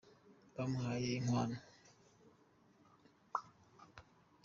bamuhaye inkwano.